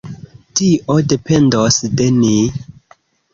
Tio dependos de ni!